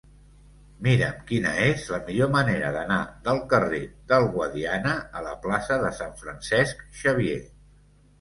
Mira'm quina és la millor manera d'anar del carrer del Guadiana a la plaça de Sant Francesc Xavier.